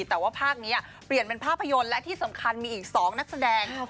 แต่ว่าภาคนี้เปลี่ยนเป็นภาพยนตร์และที่สำคัญมีอีก๒นักแสดง